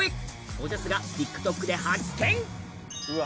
おじゃすがＴｉｋＴｏｋで発見うわ